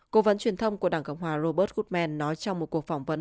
cố vấn truyền thông của đảng cộng hòa robert hudmmen nói trong một cuộc phỏng vấn